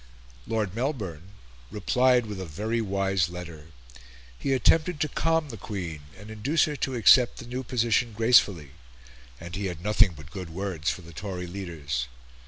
Lord Melbourne replied with a very wise letter. He attempted to calm the Queen and to induce her to accept the new position gracefully; and he had nothing but good words for the Tory leaders.